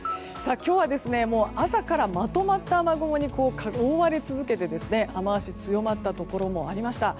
今日は朝からまとまった雨雲に覆われ続けて雨脚が強まったところもありました。